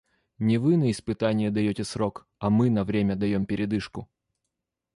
Не вы на испытание даете срок — а мы на время даем передышку.